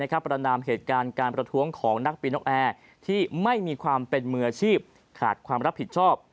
ประนามเหตุการณ์การประท้วงของนักปีนกแอร์ที่ไม่มีความเป็นมืออาชีพขาดความรับผิดชอบ